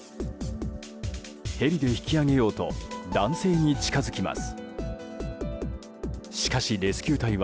ヘリで引き上げようと男性に近づきます。